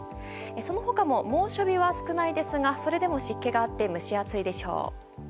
その他も猛暑日は少ないですが湿気があって蒸し暑いでしょう。